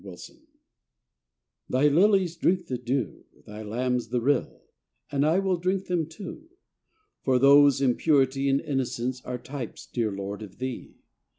'"PHY lilies drink the dew, Thy lambs the rill, and I will drink them too; For those in purity And innocence are types, dear Lord, of Thee.